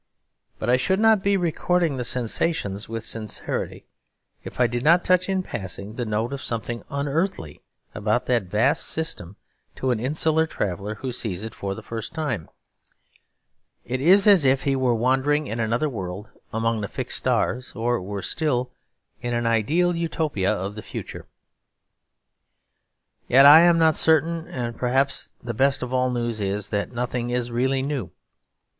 But I should not be recording the sensations with sincerity, if I did not touch in passing the note of something unearthly about that vast system to an insular traveller who sees it for the first time. It is as if he were wandering in another world among the fixed stars; or worse still, in an ideal Utopia of the future. Yet I am not certain; and perhaps the best of all news is that nothing is really new.